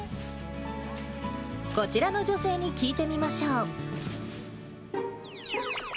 こちらの女性に聞いてみましょう。